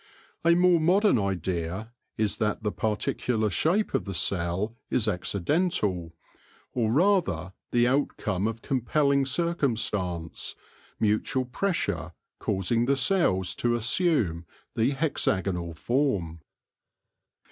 A more modern idea is that the par ticular shape of the cell is accidental, or rather the outcome of compelling circumstance, mutual pressure causing the cells to assume the hexagonal form.